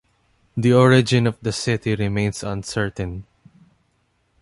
The origin of the city remains uncertain.